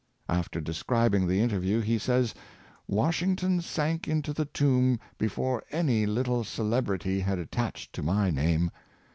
After describing the interview, he says: *' Washington sank into the tomb before any little celebrity had attached to my name.